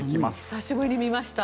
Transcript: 久しぶりに見ました。